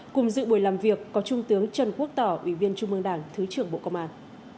cùng dự buổi làm việc có trung tướng trần quốc tỏ ủy viên trung mương đảng thứ trưởng bộ công an